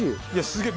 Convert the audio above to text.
すげえ！